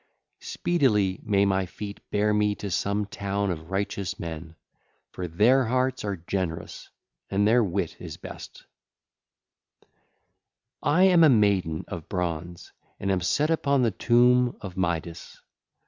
II. (2 lines) (ll. 1 2) Speedily may my feet bear me to some town of righteous men; for their hearts are generous and their wit is best. III. (6 lines) (ll. 1 6) I am a maiden of bronze and am set upon the tomb of Midas.